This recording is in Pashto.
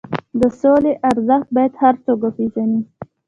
د سولې ارزښت باید هر څوک وپېژني.